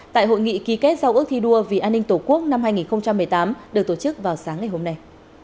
tại hội nghị ký kết giao ước thi đua vì an ninh tổ quốc năm hai nghìn một mươi tám được tổ chức vào sáng ngày hôm nay